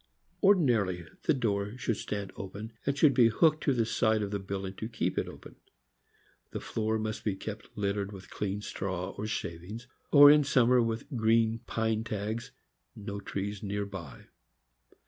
Ordinarily the door should stand open, and should be hooked to the side of the building to keep it open. The floor must be kept littered with clean straw or shavings, or THE FOXHOUND. 205 in summer with green pine tags; no trees near by.